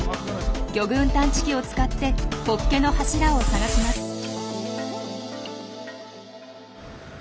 魚群探知機を使ってホッケの柱を探します。